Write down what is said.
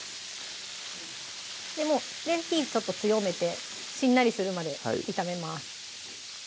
もう火ちょっと強めてしんなりするまで炒めます